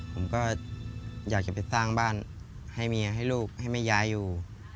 ผมก็อยากจะไปสร้างบ้านให้เมียให้ลูกให้แม่ยายอยู่